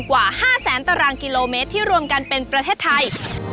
กว่า๕แสนตารางกิโลเมตรที่รวมกันเป็นประเทศไทย